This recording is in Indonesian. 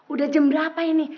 udah jam berapa ini